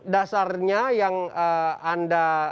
dasarnya yang anda